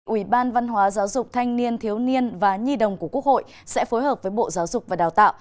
ủy ban văn hóa giáo dục thanh niên thiếu niên và nhi đồng của quốc hội sẽ phối hợp với bộ giáo dục và đào tạo